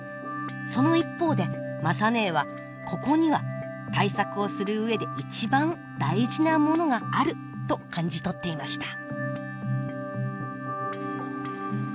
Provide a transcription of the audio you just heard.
その一方で雅ねえはここには対策をする上で一番大事なものがあると感じ取っていました。